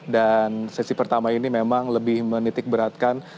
dan sesi pertama ini memang lebih menitik beratkan